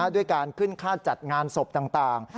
ด้วยการขึ้นค่าจัดงานศพต่าง